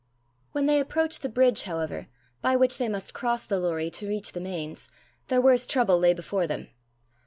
When they approached the bridge, however, by which they must cross the Lorrie to reach the Mains, their worst trouble lay before them.